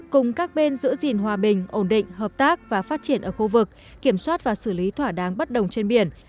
cùng các bên giữ gìn hòa bình ổn định hợp tác và phát triển ở khu vực kiểm soát và xử lý thỏa đáng bất đồng trên biển